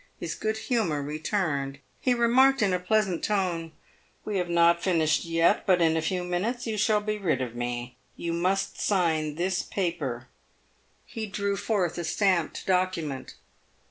His good humour returned. He remarked, in a pleasant tone, " "We have not finished yet, but in a few minutes you shall be rid of me. You must sign this paper." He drew forth a stamped document.